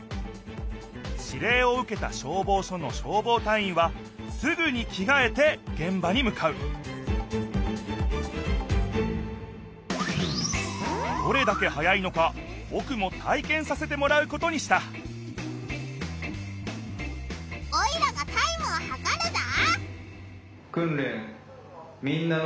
指令を受けた消防署の消防隊員はすぐにきがえてげん場に向かうどれだけ早いのかぼくも体けんさせてもらうことにしたオイラがタイムを計るぞ！